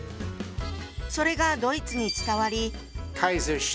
それがドイツに伝わり。